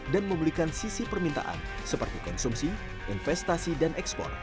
dan memiliki sisi permintaan seperti konsumsi investasi dan ekspor